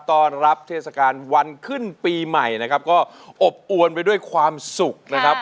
ต้อนรับเทศกาลวันขึ้นปีใหม่นะครับก็อบอวนไปด้วยความสุขนะครับ